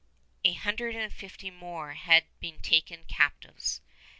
A hundred and fifty more had been taken captives.